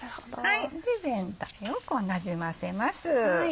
全体をなじませます。